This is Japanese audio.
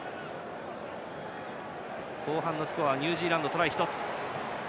後半のスコアはニュージーランド、トライ１つ。